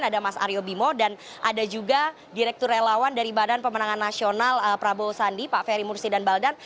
ada mas aryo bimo dan ada juga direktur relawan dari badan pemenangan nasional prabowo sandi pak ferry mursi dan baldan